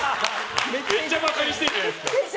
めっちゃバカにしてるじゃないですか。